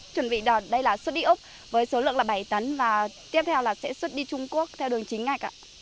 chuẩn bị đạt đây là xuất đi úc với số lượng là bảy tấn và tiếp theo là sẽ xuất đi trung quốc theo đường chính ngay cả